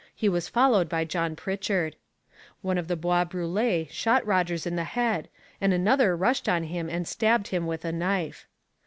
He was followed by John Pritchard. One of the Bois Brûlés shot Rogers in the head and another rushed on him and stabbed him with a knife.